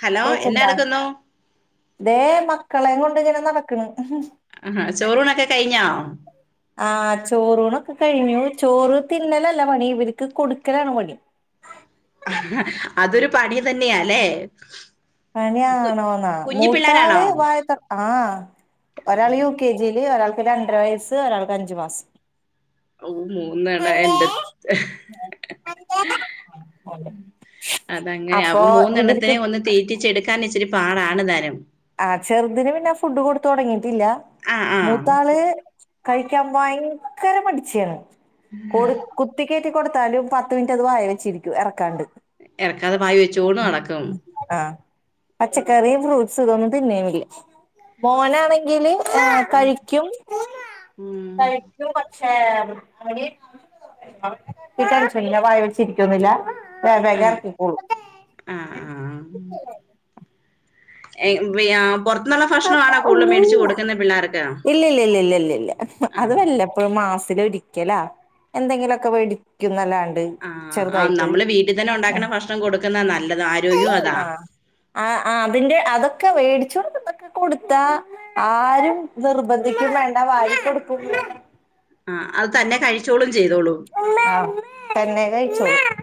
Hello എന്നാ കേക്ക്ണ്ടാ എടുക്കുന്നു ദേ മക്കളെ കൊണ്ട്ങ്ങനെ നടക്കണ് ആഹാ ചോറൂനൊക്കെ കഴിഞ്ഞോ ആ ചോറൂനൊക്കെ കഴിഞ്ഞു ചോറ തിന്നലല്ല പണി ഇവർക്ക് കൊടുക്കലാണ് പണി അതൊരു പണി തന്നെയല്ലേ പണിയാണോന്നാ മൂത്താള് വായത്ത ആ ഒരാള് യൂ കെ ജിയില് ഒരാൾക്ക് ഒരു രണ്ടര വയസ്സ് ഒരാൾക്ക് അഞ്ച് മാസം ഓ മൂന്നാളാ എൻന്റെ അതങ്ങനെ അപ്പൊ മൂന്നെണ്ണത്തിനെ ഒന്ന് തീറ്റിച്ചെടുക്കാൻ ഇച്ചിരി പാടാണ് തരം ആ ചെറുതിന് പിന്നെ ഫുഡ് കൊടുത്ത തുടങ്ങിട്ടില്ല ആ ആ മൂത്താള് കഴിക്കാൻ ഭയങ്കര മടിചിയാണ് കൊടു കുത്തി കയറ്റി കൊടുത്താലും പത്ത് മിനിറ്റ് അത് വായ വെച്ചിരിക്കും ഇറക്കാണ്ട് ഇറക്കാതെ വായിൽ വെച്ചോണ്ട് നടക്കും ആഹ പച്ചക്കറിയും ഫ്രൂട്ട്സ് ഇതൊന്നും തിന്നേല്ല മോനാണെങ്കില് ആ ഉം കഴിക്കും ഉം പക്ഷേ അങ്ങനെ [unintelligible] വായ വെച്ചിരിക്കോന്നില്ല വേഗം വേഗം ഇറക്കിക്കോളും ആഹ ആഹ എ പുറത്തന്നുള്ള ഭക്ഷണമാണോ കുടുതൽ മേടിച്ച് കൊടുക്കുന്ന പിള്ളേർക്ക് ഇല്ല ഇല്ല ഇല്ല ഇല്ല ഇല്ല ഇല്ല ആ അത് വല്ല ഇപ്പോഴും മാസത്തില് ഒരിക്കലാ എന്തെങ്കിലുമൊക്കെ മേടിക്കുന്നല്ലാണ്ട് ആഹ ആഹ് നമ്മള് വീട്ടിൽ തന്നെ ഉം ഉണ്ടാക്കണ ഭക്ഷണം കൊടുക്കുന്ന നല്ലത ആരോഗ്യവും അതാ ആ ആ അതിന്റെ അതൊക്കെ മേടിച്ചോണ്ട് കൊടുത്ത ആരും നിർബന്ധിക്കും വേണ്ട വാരി കൊടുക്കും വേണ്ട ആ അത് തന്നെ കഴിച്ചോളും ചെയ്തോളും ആഹ തന്നെ കഴിച്ചോളും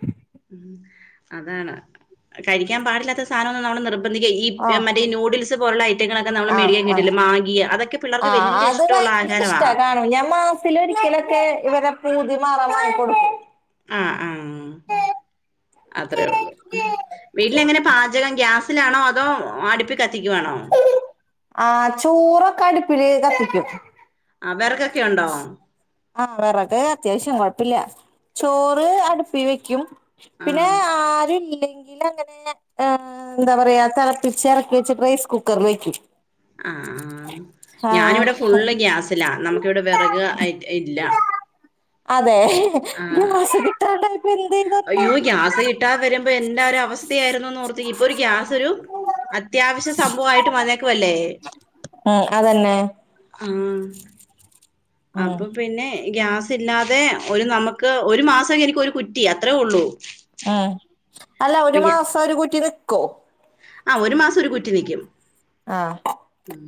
ഉ അതാണ് കഴിക്കാൻ പാടില്ലാത്ത സാധനം ഒന്നും നമ്മള് നിർബ ഇ ഈ ആഹ് മറ്റേ നൂഡിൽസ് പോലുള്ള ഐറ്റങ്ങളൊക്കെമ്മള് ആഹ് മേടിക്കാൻ ആഹ് കിട്ടില്ല മാഗിയ അതൊക്കെ പിള്ളേർക്ക് വലിയ ഇഷ്ടം മുള്ള ആഹാരമാണ് ഇട്ടാ കാണും ഞമ്മ ത്തി ഒരിക്കലൊക്കെ ഇവരെ പൂതി മാറ വാങ്ങി കൊടുക്കും ആ ആ ഉം അത്രേ ഉള്ളൂ വീട്ടിലെങ്ങനെ പാചകം ഗ്യാസിലാണോ അതോ അടിപ്പ കത്തിക്കുവാണോ ആ ചോറൊക്കെ അടുപ്പില് കത്തിക്കും ആ വിറക്കൊക്കെ ഉണ്ടോ ആഹ വിറക് അത്യാവശ്യം കൊഴപ്പില്ല ചോറ് അടുപ്പി വെക്കും ആ പിന്നെ ആരല്ലെങ്ക ൽ അങ്ങനെ എന്താ പറയാ തിളപ്പിച്ച് ഇറക്കി വെച്ചിട്ട് റൈസ് കുക്കറി വെക്കും ആ ആ ആഹ് ഞാനിവിടെ ഫുള്ള് ഗ്യാസിലാണ് നമുക്കിവിടെ വിറക് ഇല്ല അതെ ആഹ് ഇപ്പൊ എന്ത് ഇതാ അയ്യോ, ഗ്യാസ് കിട്ടതെ വരുമ്പോ എന്താ ഒരു അവസ്ഥയായിരുന്നു, എന്ന് ഓർത്തു നോക്കിക്കേ? ഇപ്പൊ ഗ്യാസ് ഒരു അത്യാവശ്യ സംഭവയിട്ട് വന്നക്ക ല്ലേ? ഉം, അതന്നെ. ഉം, ഉം അപ്പൊ പിന്നെ, ഗ്യസ് ല്ലാതെ ഒരു നമുക്ക് ഒരു മാസം എനിക് ഒരു കുറ്റി, അത്രയേ ഉള്ളൂ. ഉം, അല്ല ഒരു അപ്പൊ ഞാ മാസം ഒരു കുറ്റി നിക്കോ? ആഹ്, ഒരു മാസം ഒരു കുറ്റി നൽക്കും. ആഹ് ഉം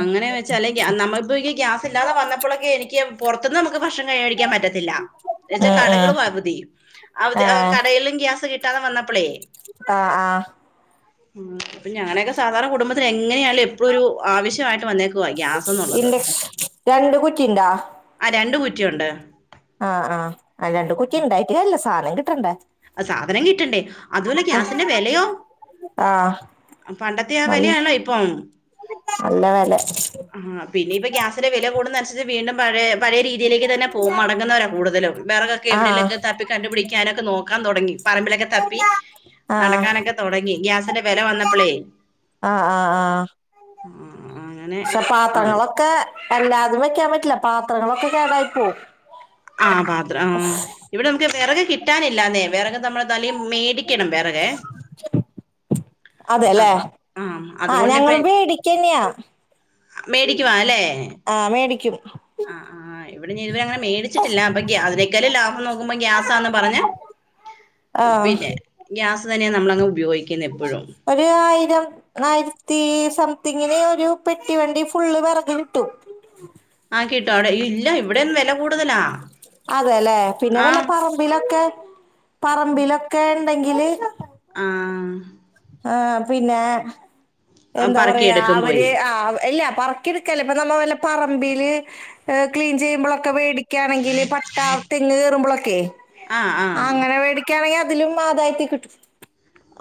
അങ്ങനെയന്ന് വെച്ചാല് നമ്മിപ്പോക്ക് ഗ്യാസ് ഇല്ലാതെ വന്ന പ്പോഴൊക്കെ എനിക്ക് പുറത്തുന്ന്, നമുക്ക് ഭക്ഷണം വെടിക്കാൻ പറ്റ ത്തില്ല, എന്താ വെച്ച ഉം ഉം കടകളും അവധി. അവ ആഹ് കടയിലും ഗ്യാസ് കി ട്ടാതെ വന്നപ്പോളെ, ആഹ് ആഹ് ഉം, ഞാനക്കേ സാധാരണ കുടുംബത്തിൽ എങ്ങ എങ്ങനെയാലുംഎപ്പോഴുംഒരു ആവശ്യമായിട്ട് വന്നേക്കുവ ഗ്യാസ ന്നുള്ളത്. ഇൻഡക്ഷൻ രണ്ട് കുറ്റി ഇണ്ടാ ആഹ്, രണ്ട് കുറ്റിയുണ്ട്. ആഹ്, ആഹ് രണ്ട് കുറ്റി ഇണ്ടായിട് കാര്യം ഇല്ല, സാധനം കിട്ടണ്ട. സാധനം കിട്ടണ്ടേ? അതുപോലെ ഗ്യാസിന്റെ വിലയോ? ആഹ് പണ്ടത്തെ ആഹ് നല്ല വിലയാണോ ഇപ്പം. നല്ല വില. ആ പിന്നെ, ഇപ്പ ഗ്യാസിന്റെ വില കൂടുന്നതി നനുസരിച്ച് വീണ്ടും പഴേ പഴയ രീതിയിലേക്ക് തന്നെ പോ മടങ്ങുന്നവരാ കൂടുതലും. വേറകൊ ക്കെ ആഹ് എവിടെന്നേലൊക്കെ തപ്പി കണ്ട് പിടിക്കാനൊക്കെ നോക്കി. നടക്കാൻ തുടങ്ങി. പറമ്പിലൊക്കെ തപ്പി ആഹ് നടക്കാനൊക്കെ തുടങ്ങി, ഗ്യാസിന്റെ വില വന്നപ്പോളേ. ആഹ്, ആഹ്, ആഹ് ആഹ്, ആഹ്, ആഹ് അങ്ങനെ പക്ഷെ ആ പാത്രങ്ങളൊക്കെ എല്ലാതും വെക്കാൻ പറ്റില്ല. പാത്രങ്ങളൊക്കെ കേടായി പോവും. ആഹ്, പാത്ര ആഹ്, ഇവിടെ നമുക്ക് വിറക്ക് കിട്ടാനില്ലാ ന്നേ? വിറക് നമ്മള് ത മേടിക്കണം വെറക്. അതെ ല്ലേ? ആഹ്, ഞങ്ങ അതുകൊണ്ടിപ്പ വേടിക്കന്നെയാ. മേടിക്കവാ അല്ലേ, ആഹ് മേടിക്കും ആഹ്, ആഹ് ഇവിടെ ഇതവര അങ്ങനെ മേടിച്ചിട്ടില്ല. അപ്പൊ ഗ്യ അതിനേക്കാളും ലാഭം നോക്കുമ്പോ ഗ്യാസാന്ന് പറഞ്, ആഹ് പിന്നെ ഗ്യാസ് തന്നെയ നമ്മളങ്ങ് ഉപയോഗിക്കുന്ന, എപ്പളും. ഒരു ആയിരം, ആയിരത്തി, സംതിങ്ങിന് ഒരു പെട്ടി വണ്ടി ഫുള്ള് വിറക് കിട്ടും. ആഹ്, കിട്ടോ? അവിടെ ഇല്ല ഇവിടെന്ന് വില കൂടുതലാ, ആഹ് തി ലൊക്കെ, പറമ്പിലൊക്കെ ണ്ടെങ്കില്, വി ആഹ് ആഹ്, പിന്നെ ആ, എന്താ പറയാ, പറക്കിയെടുക്കും അവര് പോയി ആഹ്, എല്ല പറ എടുക്ക നമ്മള വല്ല പറമ്പിൽ ക്ലീൻ ചെയ്യുമ്പോളൊക്കെ, വെടിക് ക്കെ ആണെങ്കില് പട്ട തെങ്ങ് കേറുമ്പളൊക്കെ, ആ ആ അങ്ങനെ മേടി ക്കെയാണെങ്കിൽ അതിലും ആദായത്തിൽ കിട്ടും.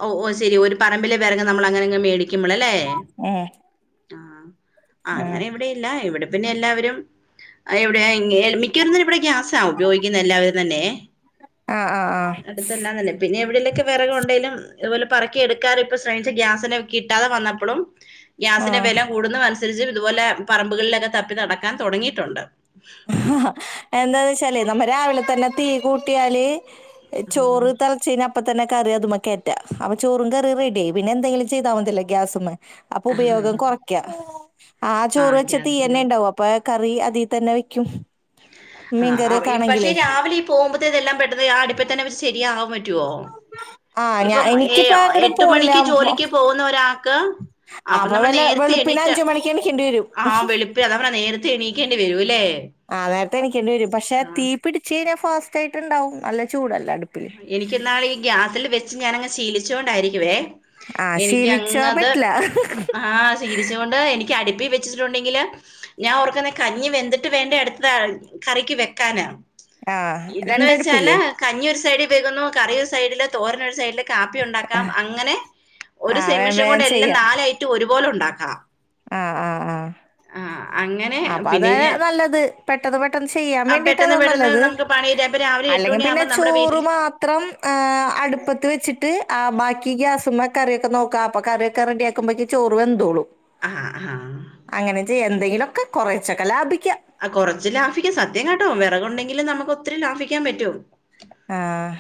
ഓഹ് ഓഹ് ശരി ഓര് പറമ്പിലേ വരക് നമ്മൾ അങ്ങനെങ്ങ് മേടിക്കുമ്പളല്ലേ? ആഹ് ആഹ്, അങ്ങനിവിടെയില്ല. ഇവിടെ പിന്നെ, ല്ലാവരും. എവിടെ, മിക്കവരുന്നരും ഇവിടെ ഗ്യാസാ ഉപയോഗിക്കുന്നെ ല്ലാവരും തന്നെ. ആഹ് ആഹ് അടുത്തല്ലാം തന്നെ. പിന്നെ, ഇവിടെലൊക്കെ വിറകുണ്ടെലും അതുപോലെ, പറക്കി എടുക്കനു ഇപ്പ ഗ്യാസിനെ കിട്ടാതെ വന്നപ്പോഴും, ഗ്യാസിന്റെ ആഹ് വെല കൂടുന്നനുസരിച്ച്, ഇതുപോലെ പറമ്പുകളിലൊക്കെ, തപ്പി നടക്കാൻ തുടങ്ങിട്ടുണ്ട്. ഹ ഹ ഹ എന്താന്ന് വെച്ചാലേ നമ്മ രാവിലെ തന്നെ തീ കൂട്ടിയാല് ആഹ് ചോറ് തല ചന അപ്പ തന്നെ കറി അതുംമെക്കയറ്റ അപ്പ ചോറും കറി റെഡിയായി പിന്നെന്തങ്കിലും ചെയ്താമതിയല്ലോ ഗ്യാസുമേ ആഹ് അപ്പൊപയോഗം കുറയക്ക ആ ചോറ് ആഹ് വെച്ച ഗ്യാസിന്റെ തീയന്നെണ്ടാവും അ പ്പൊ കറി അതിൽ തന്നെ വെക്കും മീൻകറിയൊക്കെ ആണെങ്കിലേ പോകുമ്പത്തനെല്ലാം പെട്ടന്ന് ആ അട്പ്പത്തന്നെ ശരിയാവാൻ പറ്റോ ആ ഞാ ഇപ്പം ഈ എനിക്കിപ്പ അങ്ങടും പോണില്ല എട്ട്മണിക്ക് ജോലിക്ക് പോകുന്നൊരാൾക്ക് അപ്പൊ നമ്മൾ വല്ല നേരത്തെ വെളുപ്പിന് എണീറ്റ അഞ്ച് മണിക്ക് എണിക്കേണ്ടി വരും ആ വെളി പ്പിന് അതമ്മ നേരത്തെ എണീക്കേണ്ടി വരൂല്ലേ ആഹ് നേരത്തെ എനിക്കേണ്ടി വരും പക്ഷെ തീ പിടിച്ച്കയിഞ്ഞാ ഫാസ്റ്റ് ആയിട്ട്ണ്ടാവും നല്ല ചൂടല്ലേ അടുപ്പില് എനിക്കിന്നാള് ഈ ഗ്യാസില് വെച്ച് ഞാനങ് ശീലിച്ച് കൊണ്ടായിരിക്കുവേ ആ ശീലിച്ചാ എനിക്കങ്ങത് പറ്റില്ല ആഹ് ശീലിച്ചോണ്ട് എനിക് അടുപ്പി വെച്ചിട്ടുണ്ടെങ്കില് ഞാൻ ഓർങ്ങുന്ന കഞ്ഞി വെന്തു ട്ട് വേണ്ടേ അടുത്ത കറിക്ക് വെക്കാന് ആഹ് ഇതന്ന് വെച്ചാല് രണ്ടടുപ്പില്ലേ കഞ്ഞിയൊരു സൈഡിൽ വേകുന്നു കറിയൊരു സൈഡില് തോരനൊരു സൈഡില് കാപ്പി ഉണ്ടാക്കാം അങ്ങനെ ഒരു ആഹ് വേം സെമിഷം വേം കൊണ്ട് എല്ലാം ചെയ്യാ നാലൈറ്റോം ഒരുപോലെ ഉണ്ടാക്കാം ആഹ് ആഹ് ആഹ് ആഹ് അങ്ങനെ അപ്പൊ പിന്നെ അതാ ഈ നല്ലത് പെട്ടെന്ന് പെട്ടെന്ന് ചെയ്യാൻ വേണ്ടിട്ട് പെട്ടെന്ന് അതാ പെട്ടെന്ന് നല്ലത് നമുക്ക് പണി തീര അപ്പൊ രാവിലെ അല്ലെങ്കിൽ എട്ട്മണിയാവുമ്പ പിന്നെ നമ്മുടെ വീട്ടിൽ ചോറ് മാത്രം അടുപ്പത്ത് വെച്ചിട്ട് ആഹ് ബാക്കി ഗ്യാസിമ്മ കറിയൊക്കെ നോക്ക അപ്പൊ കറിയൊക്കെ റെഡിയാക്കുമ്പോക്ക് ചോറ് വെന്തോള്ളു ആഹ് ആഹ് അങ്ങനെ ചെയ്യാ എന്തെങ്കിലൊക്കെ കുറച്ചൊക്കെ ലാഭിക്കാം ആഹ് കൊറച്ച് ലാഭിക്ക സത്യം കേട്ടോ വിറകുണ്ടെങ്കിൽ നമുക്ക് ഒത്തിരി ലാഭിക്കാൻ പറ്റു ആഹ്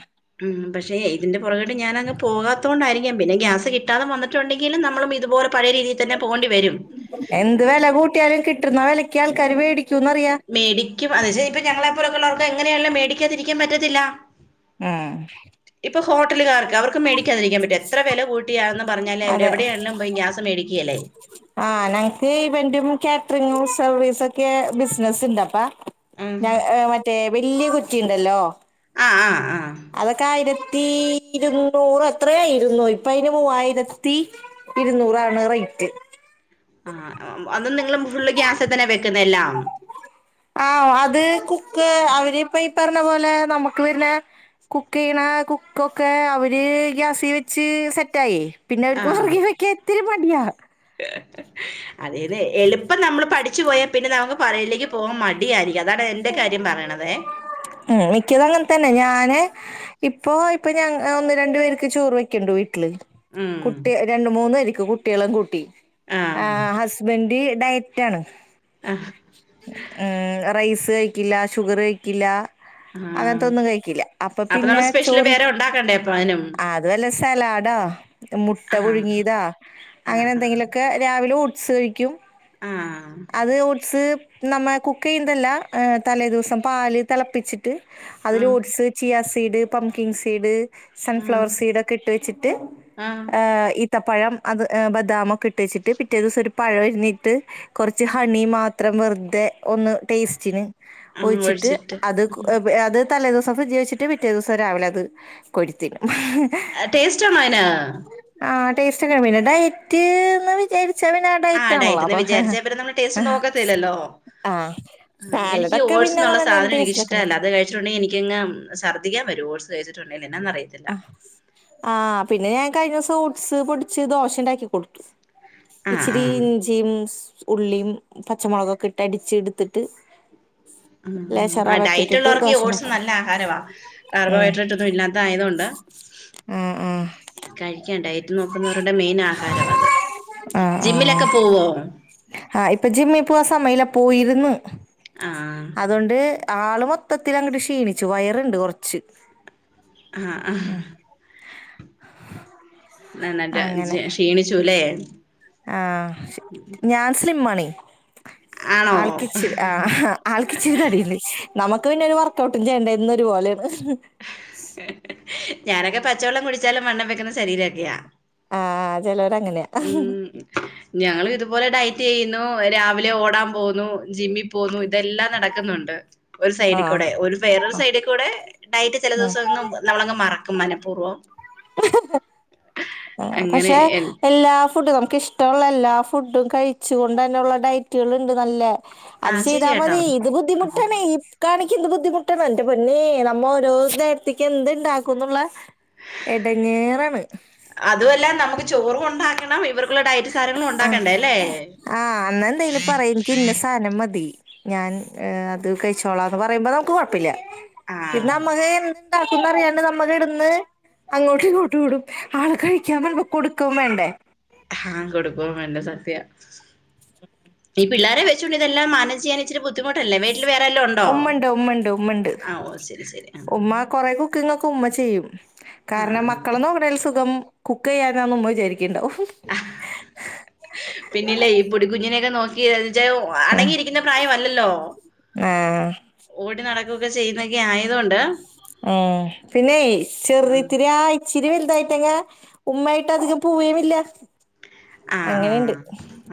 ഉം പക്ഷേ ഇതിന്റെ പുറകട്ട് ഞാനങ്ങ് പോകാത്തോണ്ടായിരിക്കും പിന്നെ ഗ്യാസ് കിട്ടാതെ വന്ന് ട്ടുണ്ടെങ്കില് നമ്മള്ളുമിതുപോലെ പഴേ രീതിയിത്തന്നെ പോകേണ്ടി വരും. എന്ത് വില കൂട്ടിയാലും കിട്ടുന്ന വിലയ്ക്ക് ആൾക്കാര് വേടിക്കൂന്ന്റിയാം മേടിക്കും അതിപ്പോ ഞങ്ങളെപ്പോലുള്ളവർക്ക് എങ്ങനെയാണേലു മേടിക്കാതിരിക്കാൻ പറ്റത്തില്ല ആഹ് ഇപ്പൊ ഹോട്ടലുകാർക്ക് അവർക്ക് മേ രിക്കാൻ പറ്റോ എത്ര വില കൂട്ടിയാണന്ന് പറഞ്ഞാല് അവ അതെ എവിടെയാണെലും പോയി ഗ്യാസ് മേടിക്കുകല്ലേ ആഹ് ഞങ്ങക്ക് ഈവന്റും കാറ്ററിംഗും സർവീസൊക്കെ ബിസിനസ്ണ്ട് അപ്പൊ ഉം ഞ മറ്റേ വല്ല്യ കുറ്റിണ്ടല്ലോ ആഹ് ആഹ് ആഹ് അതൊക്കെ ആയിരത്തി ഇരുന്നൂറ് ത്രയോ ഇരു ഇപ്പ അതിന് മൂവായിരത്തി ഇരുന്നൂറാണ് റേറ്റ് ആഹ് ഉം അന്നും നിങ്ങള് ഫുള്ള് ഗ്യാസെ തന്നെ വെക്കുന്നെല്ലാം ആഹ് അത് കുക്ക് അവരിപ്പ ഈ പറഞ്ഞ പോലെ നമുക്ക് വര്നെ കുക്കിയ്യിണെ കുക്കൊക്കെ അവര് ഗ്യാസി വെച്ച് സെറ്റായി പിന്നെ അവർക്ക് വിറകി വെയ്ക്കാ ത്തിരി മടിയാ അതെന്നെ എളുപ്പം നമ്മള് പഠിച്ചു പോയാൽ പിന്നെ നമുക്ക് പറയല്ലെങ്കി പോവാൻ മടിയാരിക്കും അതാണ് എന്റെ കാര്യം പറയണതേ ഉം മിക്കതങ്ങനെ തന്നെ ഞാന് ഇപ്പൊ ഇപ്പൊ ഞ ഒന്ന് രണ്ടു പേർക്ക് ചോറ് വെയ്ക്ക്ണ്ട് വീട്ടില് ഉം കുട്ടി രണ്ട്, മൂന്ന് രിക്ക് കുട്ട്യേളും കൂട്ടി ആ ആഹ് ഹസ് ബൻഡ് ഡയറ്റാണ് അഹ് ഏഹ് റൈസ് കഴിക്കില്ല ഷുഗർ കഴിക്കില്ല. ആഹ് അങ്ങൻത്തൊന്നും കഴിക്കില്ല അപ്പ പിന്നെ ചോറ് പ്പാനും അതു അല്ല സലാഡോ മുട്ട ആഹ് പുഴുങ്ങീതോ ആഹ് ആഹ് അങ്ങനെന്തെങ്കിലൊ ക്കെ രാവിലെ ഓട്സ് കഴിക്കും. ആഹ് അത് ഓട്സ് നന്നായ് കുക്ക് യ്യുന്നതല്ല ഏ തലേ ദിവസം പാല് തളപ്പിച്ച് ട്ട് അതിൽ ആഹ് oats, chia seed, pumpkin seed ആഹ് സൺഫ്ലവർ സീഡൊക്കെ ഇട്ട് വെച്ചിട്ട് ആഹ് ഏഹ് ഇ ത്തപ്പഴം അത് എ ബദാമൊക്കെ ഇട്ടേച്ചിട്ട് പിറ്റേ ദിവസം ഒരു പഴ ഇരുന്നിട്ട് കൊർച്ച് ഹണി മാത്രം വെറുതെ ഒന്ന് ടെസ്റ്റ്ന് ഒഴിച്ചിട്ട് അത് കു അത് തലേ ദിവസം ഫ്രിഡ്ജീൽ വെച്ചിട്ട് പിറ്റേ ദിവസം രാവിലെ അത് കോരിത്തിന്ന. അഹ് ടേസ്റ്റ്ണ്ടോയ്ന? ആ ടേസ്റ്റ് പിന്നെ ഡയറ്റീന്ന് വിചാരിച്ചാ പിന്നെ ആ ഡയറ്റ് ആണല്ലോ ഡയറ്റിന്ന് വിചാരിച്ച പിന്നെ നമ്മള് ടെസ്റ്റ് അപ്പൊ നോക്കത്തില്ലല്ലോ. ആഹ് ആ എനിക്ക് സാലഡൊക്കെ പിന്നെ ഓട്സ്ന്നുള്ള നമ്മ സാധന എന്ത് ടേസ്റ്റിലക്കണ എനിക്കിഷ്ടല്ല അത് കഴി ച്ചുണ്ടി എനിക്കങ്ങ് ശർദ്ദിക്കാൻ വരു ഓട്സ് കഴിച്ചിട്ടുണ്ടെങ്കി എന്നാന്നറിയത്തില്ല. ആ പിന്നെ ഞാൻ കഴിഞ്ഞേസം ഊട്ട്സ് പൊടിച്ച് ദോശ ഇണ്ടാക്കി കൊടുത്തു. ആഹ് ഇച്ചിരി ആഹ് ഇഞ്ചിംസ് ഉള്ളിം പച്ച മൊളൊകൊക്കെ ഇട്ട് അടിച്ചിടുത്തിട്ട് ഉം ആ ഇട്ടിട്ട് ഡയറ്റൊള്ളർക്ക് ഈ ദോശ ഓട്സ് ഉണ്ടാക്കി നല്ല ആഹാരവാ. ഉം കാർബോഹൈഡ്രേറ്റൊന്നു ഇല്ലാ ത്തായതോണ്ട് ആഹ് ആഹ് കഴിയ്ക്കാ ഡയറ്റ് നോക്കുന്നോരുടെ മെയിൻ ആഹാരം അത്. ജിമ്മിലക്കെ പോവോ? ആ ഇപ്പ ജിമ്മിപ്പോവാ സമയല്ല പോയിരുന്നു ആഹ് അതോണ്ട് ആള് മൊത്തത്തിൽ അങ്ങ്ട്ട് ക്ഷീണിച്ചു വയറ്ണ്ട് കൊറച്ച് ആഹ് അഹ് ന്നന്നട്ട് അങ്ങനെ ജ് ക്ഷീണിച്ചൂലെ? ആഹ് ഞാൻ സ്ലിംമാണെയ് ആണോ ആൾക്കിച്ചിരി ആഹ് ആൾക്കിച്ചിരി തടിയിണ്ട് നമുക്ക് പിന്നൊര് വർക്കൗട്ടും ചെയ്യേണ്ട എന്നൊരു പോലേണ്. ഞാനൊക്കെ പച്ചവെള്ളം കുടിച്ചാലും വണ്ണം വെക്കുന്ന ശരീരക്കെയാ. ആ ഹാ ചെലോരങ്ങനെയ. ഉം ഞങ്ങളിതുപോലെ ഡയറ്റെയ്യുന്നു രാവിലെ ഓടാൻ പോവുന്നു ജിമ്മി പോവുന്നു ഇതെല്ലാം നടക്കുന്നുണ്ട്. ഒരു ആ സൈഡിക്കൂടെ ഒരു വേറൊരു സൈഡിക്കൂടെ ഡയറ്റ് ചെല ഉം ദിവസംന്നും നമ്മളങ്ങ് മറ ക്കും മനഃപൂർവ്വം ആ അങ്ങനെ പക്ഷെ എല്ലാ ഫുഡും നമുക്കിഷ് ടൊള്ള എല്ലാ ഫുഡും കഴിച്ചു കൊണ്ടെന്നെള്ള ഡയറ്റുകളുണ്ട് നല്ലേ. അത് ആഹ് ചെയ്താ ശരിയാട്ടോ മതി ഇത് ഉം ബുദ്ധിമുട്ടാണേയ്. കാണിക്ക എന്ത് ബുദ്ധിമുട്ടന്ന എന്റെ പൊന്നേ നമ്മ ഓരോ നേരത്തേക്ക് എന്ത്ണ്ടാക്കും എന്നുള്ള എടങ്ങേറാണ് അതു അല്ല നമുക്ക് ചോറും ഉണ്ടാക്കണം ഇവർക്കുള്ള ഡയറ്റ് സാനങ്ങളും ആഹ് ഉണ്ടാക്കണ്ടേ ല്ലേ. ആഹ് അന്ന് എന്തായലും പറയ് എനിക്ക് ഇന്ന സാധനം മതി ഞാൻ അത് കഴിച്ചോളാം എന്ന് പറയുമ്പോ നമുക്ക് കൊഴപ്പില്ല ഇതു ആഹ് നമ്മക്ക് ആക്കും എന്നറിയാണ്ട് നമ്മ കിടന്ന് അങ്ങോട്ടും ഇങ്ങോട്ട് ഓടും ആള് കഴിക്കാൻ വരുമ്പോ കൊടുക്കും വേണ്ടേ ആഹ് കൊടുക്കും വേണ്ടേ സത്യം ഈ പിള്ളേരെ വെച്ചോണ്ട് ഇതെല്ലാം മാനേജ് ചെയ്യാൻ ഇച്ചിരി ബുദ്ധിമുട്ടല്ലേ വീട്ടിൽ വേറെ ആരേലും ഉ ഉമ്മണ്ട് ഉമ്മണ്ട് ഉമ്മണ്ട് ശരി ശരി ആഹ് ഉമ്മ കൊറെ കുക്കിംഗ്‌ ഒക്കെ ഉമ്മ ചെയ്യും കാരണം ആഹ് മക്കളെ നോക്കണേൽ സുഖം കുക്ക് ചെയ്യാനാ എന്നു ഉമ്മള് വിചാരിക്കുന്നുണ്ടാവും പിന്നില്ലേ ഈ പൊടിക്കുഞ്ഞിനെയൊക്കെ നോക്കിച്ചാ ആഹ് അടങ്ങിയിരിക്കുന്ന പ്രായമല്ലല്ലോ ആഹ് ഓടി നടക്കുവൊക്കെ ചെയ്യുന്നൊക്കെ ആയതൊണ്ട് ആഹ് പിന്നെ ചെറി ഉം. ഇത്തിരി ഇച്ചിരി വലുതായിട്ടെക്കെ ഉമ്മായിട്ട് അധികം പൂവേമില്ല ആഹ് ആഹ്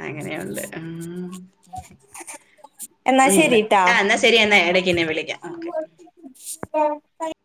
അങ്ങനെയുണ്ട് മ്മ് [inaudible] ഉം ശരിട്ടാ ആഹ് എന്നാ ശെരി എന്നാ ഇടക്കെന്നെ വിളിക്കാം ഓക്കെ കുഴപ്പായി